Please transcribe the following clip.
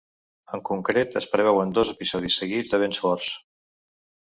En concret, es preveuen dos episodis seguits de vents forts.